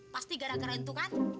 pasti gara gara itu kan